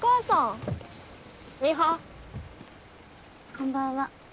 こんばんは。